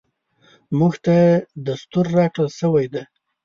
موږ ته دستور راکړل شوی دی .